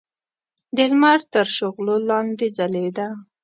د لمر تر شغلو لاندې ځلېده.